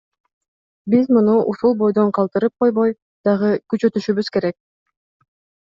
Биз муну ушул бойдон калтырып койбой, дагы күчөтүшүбүз керек.